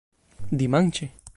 dimanĉe